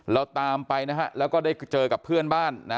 เราตามไปนะฮะแล้วก็ได้เจอกับเพื่อนบ้านนะ